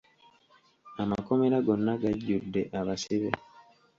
Amakomera gonna gajudde abasibe.